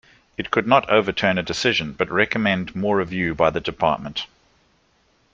It could not overturn a decision, but recommend more review by the department.